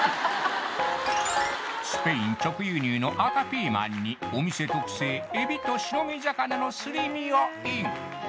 スペイン直輸入の赤ピーマンにお店特製海老と白身魚のすり身をイン